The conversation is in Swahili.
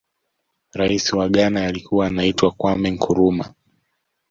raisi wa ghana alikuwa anaitwa kwame nkurumah